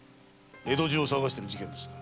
江戸中を騒がせてる事件です。